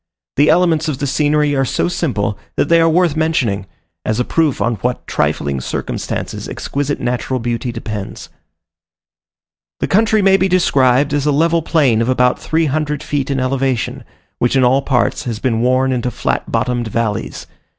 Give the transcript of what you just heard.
The elements of the scenery are so simple, that they are worth mentioning, as a proof on what trifling circumstances exquisite natural beauty depends. The country may be described as a level plain of about three hundred feet in elevation, which in all parts has been worn into flat bottomed valleys.